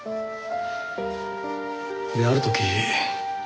である時。